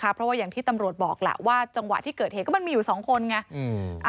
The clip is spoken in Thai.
เพราะว่าอย่างที่ตำรวจบอกล่ะว่าจังหวะที่เกิดเหตุก็มันมีอยู่๒คนไง